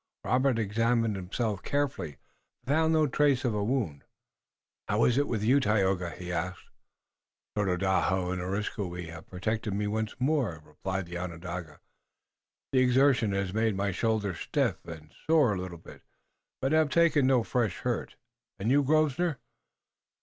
Robert examined himself carefully, but found no trace of a wound. "How is it with you, Tayoga?" he asked. "Tododaho and Areskoui have protected me once more," replied the Onondaga. "The exertion has made my shoulder stiff and sore a little, but I have taken no fresh hurt." "And you, Grosvenor?"